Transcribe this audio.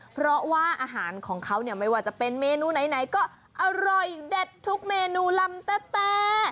เพราะว่าอาหารของเขาเนี่ยไม่ว่าจะเป็นเมนูไหนก็อร่อยเด็ดทุกเมนูลำแต้